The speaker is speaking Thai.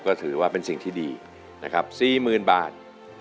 ก็ถือว่าเป็นสิ่งที่ดีนะครับ๔๐๐๐บาท